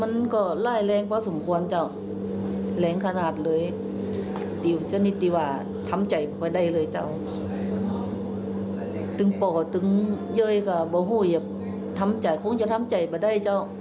ต้องการจ่ายที่สู่ตัวบทนักหลังของตัวประชาชน